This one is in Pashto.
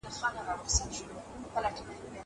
هغه وويل چي لوبي مهمي دي!!